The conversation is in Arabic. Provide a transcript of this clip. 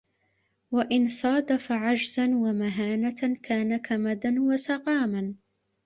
وَإِنْ صَادَفَ عَجْزًا وَمَهَانَةً كَانَ كَمَدًا وَسَقَامًا